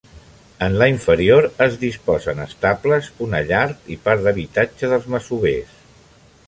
En la inferior es disposen estables, una llar i part d'habitatge dels masovers.